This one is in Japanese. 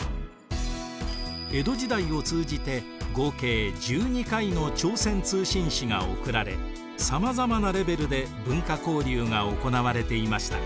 江戸時代を通じて合計１２回の朝鮮通信使が送られさまざまなレベルで文化交流がおこなわれていました。